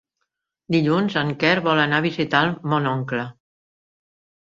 Dilluns en Quer vol anar a visitar mon oncle.